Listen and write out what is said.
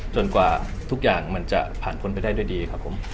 กว่าทุกอย่างมันจะผ่านพ้นไปได้ด้วยดีครับผม